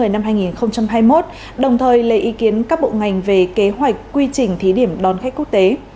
năm hai nghìn hai mươi một đồng thời lấy ý kiến các bộ ngành về kế hoạch quy trình thí điểm đón khách quốc tế